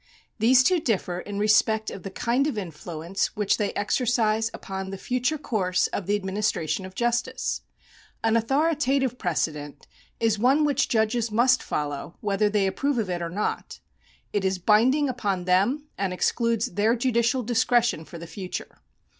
These two differ in respect of the kind of influence which they exercise upon the future course of the administration of justice. An authoritative precedent is one which judges must follow whether they approve of it or not. It is binding upon them and excludes their judicial discretion for the future.